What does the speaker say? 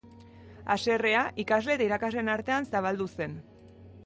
Haserrea ikasle eta irakasleen artean zabaldu zen.